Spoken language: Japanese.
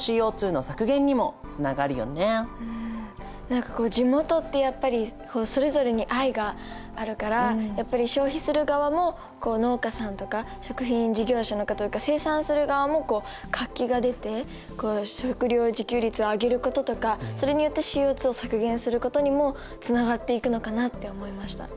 何か地元ってやっぱりそれぞれに愛があるからやっぱり消費する側も農家さんとか食品事業者の方とか生産する側も活気が出て食料自給率を上げることとかそれによってＣＯを削減することにもつながっていくのかなって思いました。